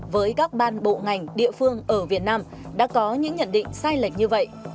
với các ban bộ ngành địa phương ở việt nam đã có những nhận định sai lệch như vậy